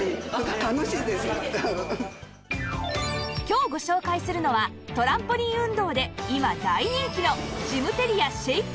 今日ご紹介するのはトランポリン運動で今大人気の